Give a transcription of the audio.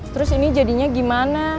terus ini jadinya gimana